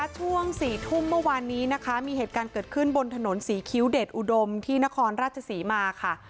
ช่วง๔ทุ่มเมื่อวานนี้นะคะมีเหตุการณ์เกิดขึ้นบนถนนศรีคิ้วเดชอุดมที่นครราชศรีมาค่ะ